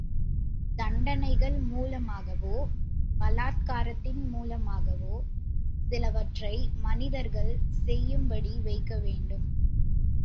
தண்டனைகள் மூலமாகவோ, பலாத்காரத்தின் மூலமாகவோ, சிலவற்றை மனிதர்கள் செய்யும்படி வைக்க முடியும்.